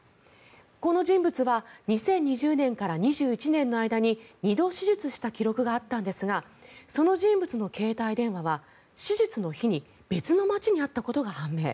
この人物は２０２０年から２１年の間に２度手術した記録があったんですがその人物の携帯電話は手術の日に別の街にあったことが判明。